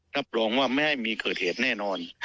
รับรองว่าไม่ให้มีเกิดเหตุแน่นอน